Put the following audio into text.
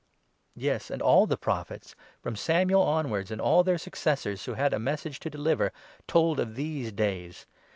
Yes, and all the Prophets from Samuel onwards, and all their 24 successors who had a message to deliver, told of these days.